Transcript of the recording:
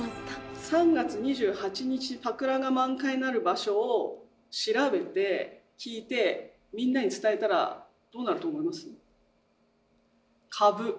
３月２８日桜が満開になる場所を調べて聞いてみんなに伝えたらどうなると思います？